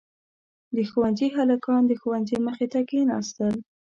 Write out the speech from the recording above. • د ښونځي هلکان د ښوونکي مخې ته کښېناستل.